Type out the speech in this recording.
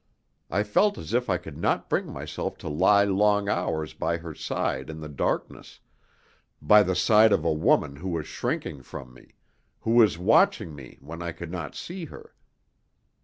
I felt as if I could not bring myself to lie long hours by her side in the darkness, by the side of a woman who was shrinking from me, who was watching me when I could not see her.